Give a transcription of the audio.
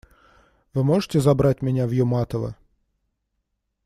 Вы можете забрать меня в Юматово?